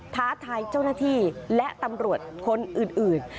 ท้าทายเจ้าหน้าที่และตำรวจคนอื่น